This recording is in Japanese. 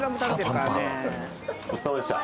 ごちそうさまでした。